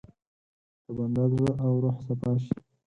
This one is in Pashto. د بنده زړه او روح صفا شي.